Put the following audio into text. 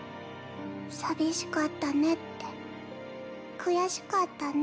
「寂しかったね」って「悔しかったね」